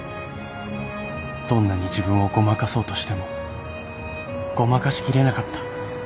どんなに自分をごまかそうとしてもごまかしきれなかった